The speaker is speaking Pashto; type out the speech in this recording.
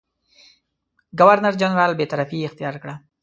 ګورنرجنرال بېطرفي اختیار کړه.